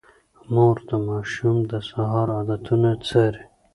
مور د ماشوم د سهار عادتونه څاري.